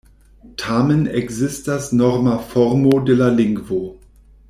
Tamen, ekzistas norma formo de la lingvo.